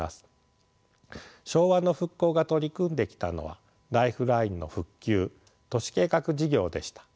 昭和の復興が取り組んできたのはライフラインの復旧都市計画事業でした。